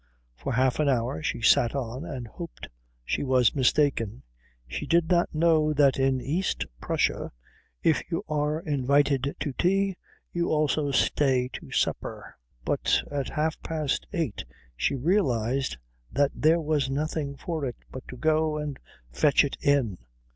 For half an hour she sat on and hoped she was mistaken. She did not know that in East Prussia if you are invited to tea you also stay to supper. But at half past eight she realised that there was nothing for it but to go and fetch it in.